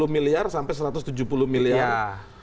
satu ratus lima puluh miliar sampai satu ratus tujuh puluh miliar